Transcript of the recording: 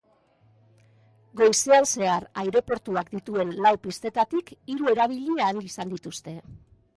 Goizean zehar aireportuak dituen lau pistetatik hiru erabili ahal izan dituzte.